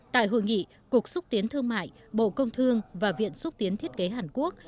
tại hội nghị cục xúc tiến thương mại bộ công thương và viện xúc tiến thiết kế hàn quốc